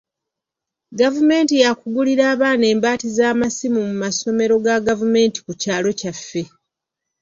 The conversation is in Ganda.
Gavumenti yaakugulira baana embaati z'amasimu mu masomero ga gavumenti ku kyalo kyaffe.